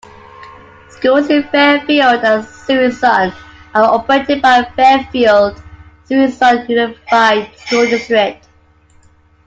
Schools in Fairfield and Suisun are operated by the Fairfield-Suisun Unified School District.